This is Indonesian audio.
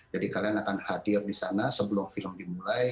kalian akan hadir di sana sebelum film dimulai